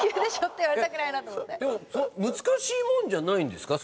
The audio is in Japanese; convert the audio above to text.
でも難しいもんじゃないんですか？